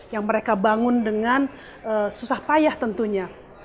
yang mereka bangun dengan susah payah tentunya